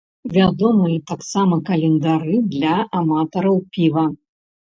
Вядомыя таксама календары для аматараў піва.